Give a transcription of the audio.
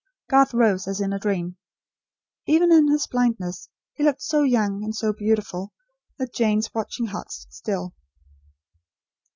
Garth rose, as in a dream. Even in his blindness he looked so young, and so beautiful, that Jane's watching heart stood still.